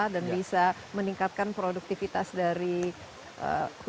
dan bisa meningkatkan produktivitas dari air